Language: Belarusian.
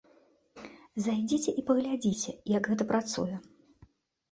Зайдзіце і паглядзіце, як гэта працуе.